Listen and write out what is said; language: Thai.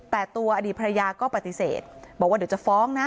แต่ตัวอดีตภรรยาก็ปฏิเสธบอกว่าเดี๋ยวจะฟ้องนะ